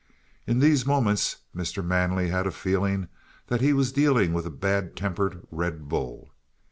In these moments Mr. Manley had a feeling that he was dealing with a bad tempered red bull.